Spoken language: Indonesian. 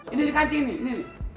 ini kancing ini